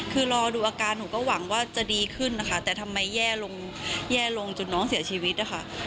คือรอดูอาการหนูก็หวังว่าจะดีขึ้นนะคะแต่ทำไมแย่ลงแย่ลงจนน้องเสียชีวิตนะคะ